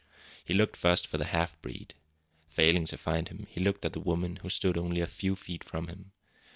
He looked first for the half breed. Failing to find him, he looked at the woman, who stood only a few feet from him.